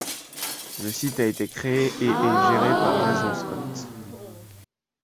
Le site a été créé et est géré par Jason Scott.